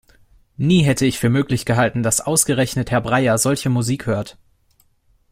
Nie hätte ich für möglich gehalten, dass ausgerechnet Herr Breyer solche Musik hört!